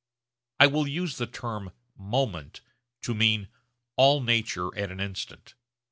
I will use the term 'moment' to mean 'all nature at an instant.'